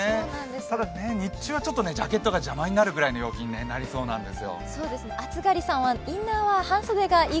ただ、日中はジャケットが邪魔になるような陽気になりそうです。